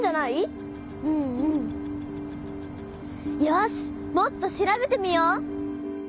よしもっと調べてみよう！